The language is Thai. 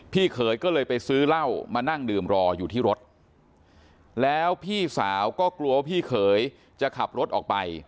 เขยก็เลยไปซื้อเหล้ามานั่งดื่มรออยู่ที่รถแล้วพี่สาวก็กลัวว่าพี่เขยจะขับรถออกไป